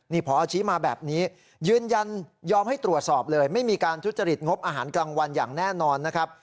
นี่พอชี้มาแบบนี้ยืนยันยอมให้ตรวจสอบเลยไม่มีการทุจริตงบอาหารกลางวันอย่างแน่นอนนะครับ